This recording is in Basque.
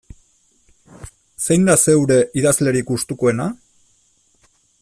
Zein da zeure idazlerik gustukoena?